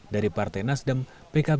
dari partai nasdem pkb dan p tiga